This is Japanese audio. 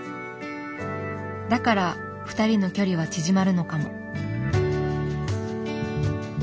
だから２人の距離は縮まるのかも。